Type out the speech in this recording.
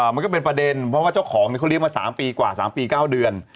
มันก็เป็นประเด็นเพราะว่าเจ้าของเขาเลี้ยงมา๓ปีกว่า๓ปี๙เดือน